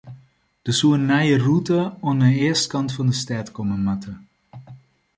Der soe in nije rûte oan de eastkant fan de stêd komme moatte.